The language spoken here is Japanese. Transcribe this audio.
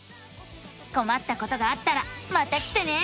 こまったことがあったらまた来てね！